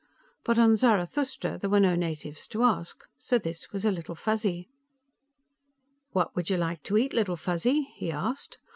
But on Zarathustra, there were no natives to ask. So this was a Little Fuzzy. "What would you like to eat, Little Fuzzy?" he asked.